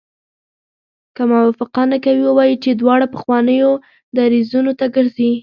که موافقه نه کوي ووایي چې دواړه پخوانیو دریځونو ته ګرځي.